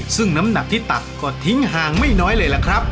ซึ่งน้ำหนักที่ตักก็ทิ้งห่างไม่น้อยเลยล่ะครับ